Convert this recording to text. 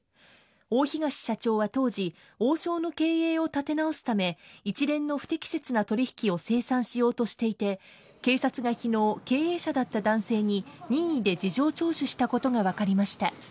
大東社長は当時、王将の経営を立て直すため一連の不適切な取引を清算しようとしていて警察が昨日、経営者だった男性に任意で事情聴取したことが分かりました。